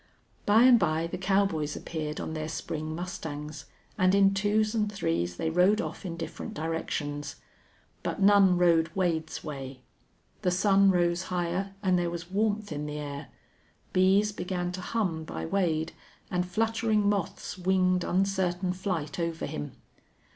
By and by the cowboys appeared on their spring mustangs, and in twos and threes they rode off in different directions. But none rode Wade's way. The sun rose higher, and there was warmth in the air. Bees began to hum by Wade, and fluttering moths winged uncertain flight over him.